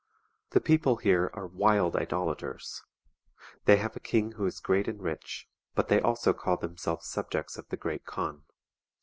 The people here are wild idolaters ; they have a king who is great and rich; but they also call them selves subjects of the Great Kaan.